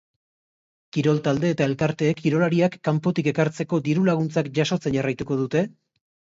Kirol talde eta elkarteek kirolariak kanpotik ekartzeko diru-laguntzak jasotzen jarraituko dute?